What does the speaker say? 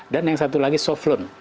dan yang satu lagi soft loan